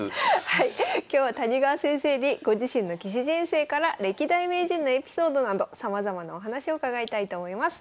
今日は谷川先生にご自身の棋士人生から歴代名人のエピソードなどさまざまなお話を伺いたいと思います。